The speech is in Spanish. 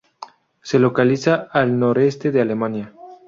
Se localiza al noreste de Alemania.